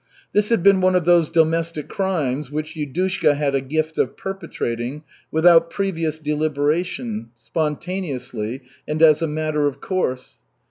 This had been one of those domestic crimes which Yudushka had a gift of perpetrating without previous deliberation, spontaneously, and as a matter of course.